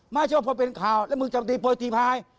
ไม่ใช่ว่าพอเป็นข่าวแล้วมึงจะตีโพยตีพาย